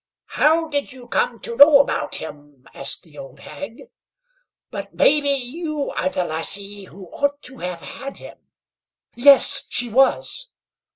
"How did you come to know about him?" asked the old hag; "but maybe you are the lassie who ought to have had him?" Yes, she was.